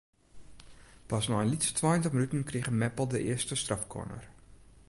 Pas nei in lytse tweintich minuten krige Meppel de earste strafkorner.